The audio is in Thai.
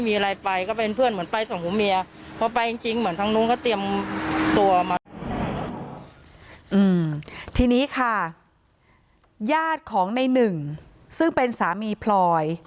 ญาติของในหลึงซึ่งเป็นสามีพลอย